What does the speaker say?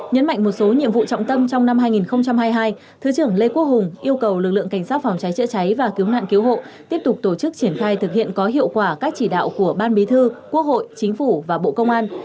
nhấn mạnh một số nhiệm vụ trọng tâm trong năm hai nghìn hai mươi hai thứ trưởng lê quốc hùng yêu cầu lực lượng cảnh sát phòng cháy chữa cháy và cứu nạn cứu hộ tiếp tục tổ chức triển khai thực hiện có hiệu quả các chỉ đạo của ban bí thư quốc hội chính phủ và bộ công an